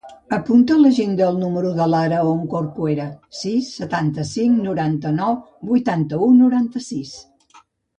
Apunta a l'agenda el número de l'Aaron Corcuera: sis, setanta-cinc, noranta-nou, vuitanta-u, noranta-sis.